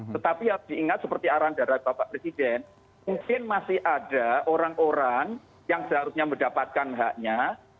tetapi harus diingat seperti arahan dari bapak presiden mungkin masih ada orang orang yang seharusnya mendapatkan haknya